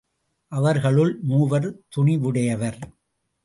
அவர்களுள் மூவர் துணிவுடையவர்.